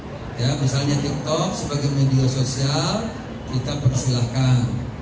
jadi ya misalnya tiktok sebagai media sosial kita persilahkan